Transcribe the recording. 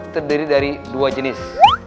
terdiri dari dua jenis